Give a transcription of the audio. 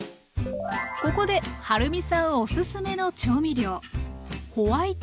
ここではるみさんオススメの調味料。